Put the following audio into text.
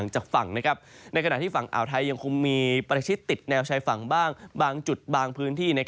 จะคงมีปฏิชิตติดแนวชายฝั่งบ้างบางจุดบางพื้นที่